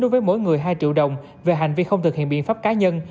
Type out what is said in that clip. đối với mỗi người hai triệu đồng về hành vi không thực hiện biện pháp cá nhân